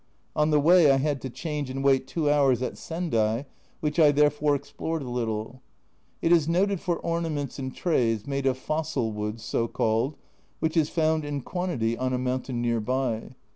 On the A Journal from Japan 31 way I had to change and wait two hours at Sendai, which I therefore explored a little. It is noted for ornaments and trays made of fossil wood so called, which is found in quantity in a mountain near by.